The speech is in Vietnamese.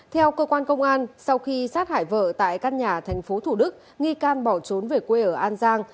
theo cơ quan công an sau khi sát hại vợ tại căn nhà thành phố thủ đức nghi can bỏ trốn về quê ở an giang